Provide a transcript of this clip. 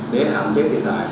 để hạng chế thiệt hại